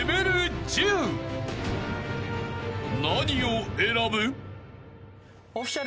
［何を選ぶ？］